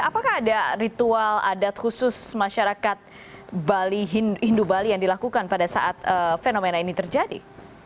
apakah ada ritual adat khusus masyarakat bali hindu bali yang dilakukan pada saat fenomena ini terjadi